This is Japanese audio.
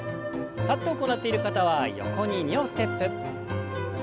立って行っている方は横に２歩ステップ。